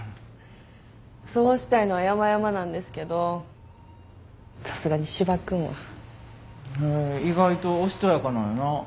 そうしたいのはやまやまなんですけどさすがにシバくんは。へえ意外とおしとやかなんやな。